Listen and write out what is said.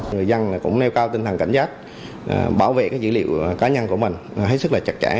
người dân cũng nêu cao tinh thần cảnh giác bảo vệ dữ liệu cá nhân của mình hết sức là chặt chẽ